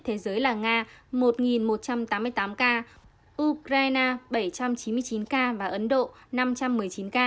thế giới là nga anh và mỹ